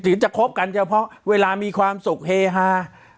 ถึงจะคบกันเฉพาะเวลามีความสุขเฮฮา